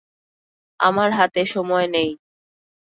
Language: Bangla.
আমার হাতে সময় নেই।